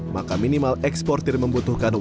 maka minimal eksportir membutuhkan uang